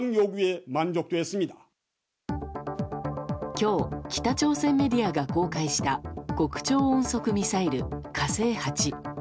今日北朝鮮メディアが公開した極超音速ミサイル「火星８」。